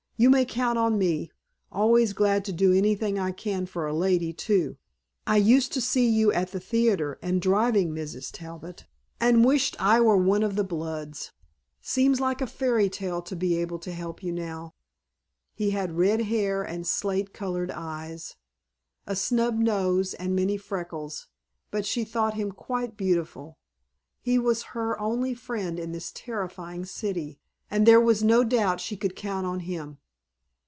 You may count on me. Always glad to do anything I can for a lady, too. I used to see you at the theatre and driving, Mrs. Talbot, and wished I were one of the bloods. Seems like a fairy tale to be able to help you now." He had red hair and slate colored eyes, a snub nose and many freckles, but she thought him quite beautiful; he was her only friend in this terrifying city, and there was no doubt she could count on him.